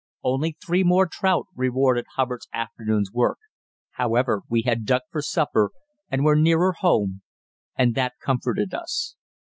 Only three more trout rewarded Hubbard's afternoon's work. However, we had duck for supper, and were nearer home, and that comforted us.